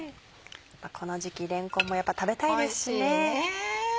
この時期れんこんも食べたいですしね。